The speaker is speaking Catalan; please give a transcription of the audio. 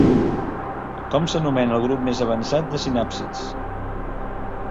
Com s'anomena el grup més avançat de sinàpsids?